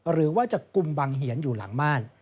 หรือว่าจะกุมบังเหียนอยู่หลังม่าน